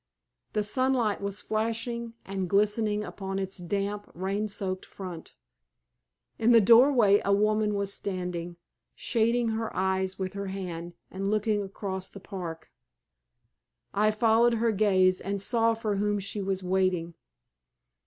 The sunlight was flashing and glistening upon its damp, rain soaked front. In the doorway a woman was standing, shading her eyes with her hand, and looking across the park. I followed her gaze, and saw for whom she was waiting.